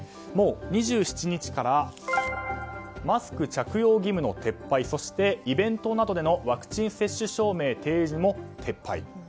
もう２７日からマスク着用義務の撤廃そして、イベントなどでのワクチン接種証明提示も撤廃。